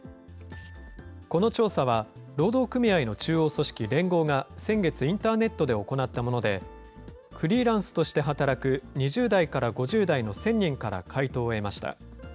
この調査は、労働組合の中央組織、連合が先月、インターネットで行ったもので、フリーランスとして働く２０代から５０代の１０００人から回答を得ました。